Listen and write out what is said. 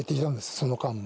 その間も。